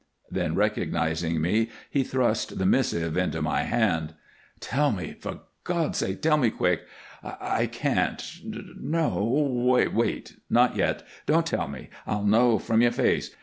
Then, recognizing me, he thrust the missive into my hand. "Tell me for God's sake tell me quick. I can't No, no wait! Not yet. Don't tell me. I'll know from your face.